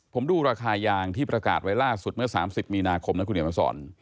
ผมดูราคายางที่ประกาศไว้ล่าสุดเมื่อ๓๐มีนาคมนะคุณเดี๋ยวมาสอน